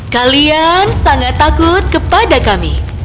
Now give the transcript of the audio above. kalian sangat takut kepada kami